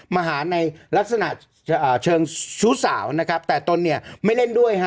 มาหาในลักษณะเชิงชู้สาวนะครับแต่ตนเนี่ยไม่เล่นด้วยฮะ